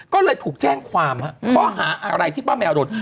ก็เลยถูกแจ้งความข้อหาอะไรที่ป้าแมวโดน